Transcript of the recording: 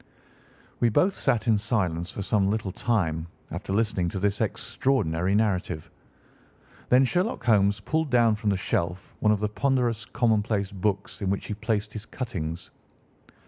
We both sat in silence for some little time after listening to this extraordinary narrative. Then Sherlock Holmes pulled down from the shelf one of the ponderous commonplace books in which he placed his cuttings.